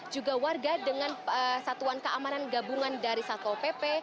juga warga dengan satuan keamanan gabungan dari satpol pp